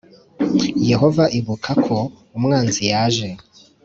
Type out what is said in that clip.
Yehova ibuka ko umwanzi yaje